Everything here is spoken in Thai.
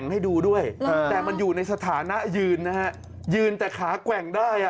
ให้ดูด้วยแต่มันอยู่ในสถานะยืนนะฮะยืนแต่ขาแกว่งได้อ่ะ